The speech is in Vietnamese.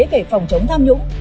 về phòng chống tham nhũng